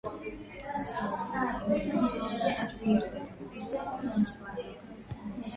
“Waasi wa Vuguvugu la Ishirini na tatu, kwa msaada wa jeshi la Rwanda, walishambulia kambi za jeshi la FARDC za Tchanzu na Runyonyi,